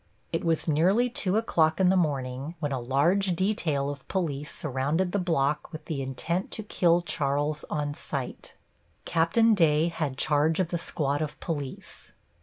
It was nearly 2 o'clock in the morning when a large detail of police surrounded the block with the intent to kill Charles on sight. Capt. Day had charge of the squad of police.